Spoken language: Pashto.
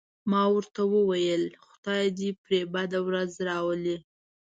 ما ورته وویل: خدای دې پرې بده ورځ راولي.